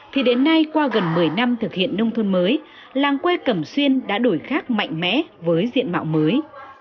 thì đến nay qua gần một mươi năm thực hiện nông thôn mới làng quê cẩm xuyên đã đổi khác mạnh mẽ với diện mạo mới